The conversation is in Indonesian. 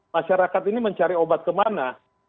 masyarakat ini mencari obat kemana